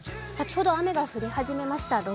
先ほど雨が降り始めました